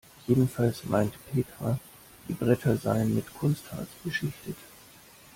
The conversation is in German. Jedenfalls meinte Petra, die Bretter seien mit Kunstharz beschichtet.